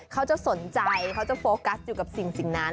เขาจะสนใจเขาจะโฟกัสอยู่กับสิ่งนั้น